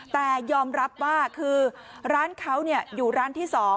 แต่ยอมรับว่าคือร้านเขาอยู่ร้านที่๒